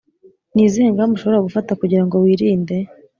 Ni izihe ngamba ushobora gufata kugira ngo wirinde